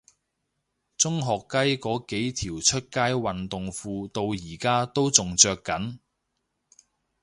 中學雞嗰幾條出街運動褲到而家都仲着緊